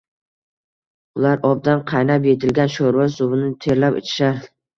Ular obdan qaynab yetilgan shoʼrva suvini terlab ichishar